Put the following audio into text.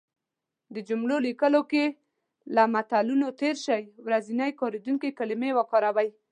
د جملو لیکلو کې له متلونو تېر شی. ورځنی کارېدونکې کلمې وکاروی